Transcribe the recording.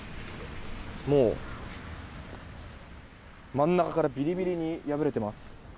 もう真ん中からビリビリに破れています。